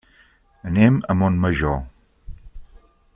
Anem a Montmajor.